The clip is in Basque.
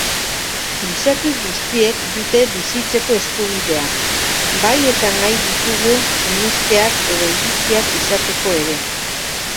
Gizaki guztiek dute bizitzeko eskubidea, bai eta nahi ditugun sinesteak edo iritziak izatekoa ere.